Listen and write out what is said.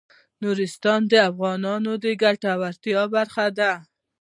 نورستان د افغانانو د ګټورتیا برخه ده.